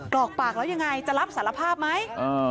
กรอกปากแล้วยังไงจะรับสารภาพไหม